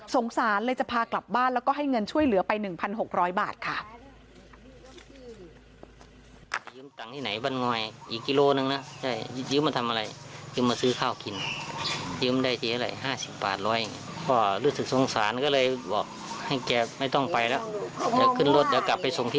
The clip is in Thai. สารเลยจะพากลับบ้านแล้วก็ให้เงินช่วยเหลือไป๑๖๐๐บาทค่ะ